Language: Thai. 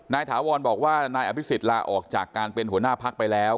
ถาวรบอกว่านายอภิษฎลาออกจากการเป็นหัวหน้าพักไปแล้ว